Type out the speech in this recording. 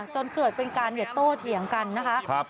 จนเกิดเป็นการเหยียดโตเถี่ยงกันนะคะ